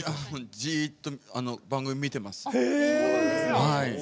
じーっと番組、見てます。